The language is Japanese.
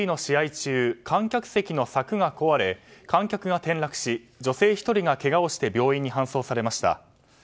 中観客席の柵が壊れ観客が転落し女性１人がけがをして病院に搬送されました。